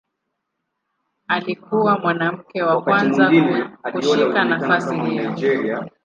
Alikuwa mwanamke wa kwanza kushika nafasi hiyo.